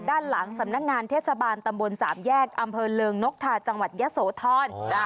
ด้านหลังสำนักงานเทศบาลตำบลสามแยกอำเภอเริงนกทาจังหวัดยะโสธร